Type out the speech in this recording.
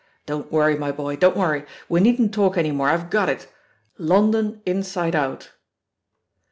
"Don't worry, my boy, don't worry; we needn't talk any more, I've got it! Xondon Inside Out.'